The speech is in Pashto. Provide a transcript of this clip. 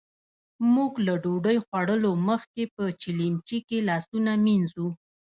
موژ له ډوډۍ خوړلو مخکې په چیلیمچې کې لاسونه مينځو.